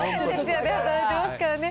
徹夜で働いてますからね。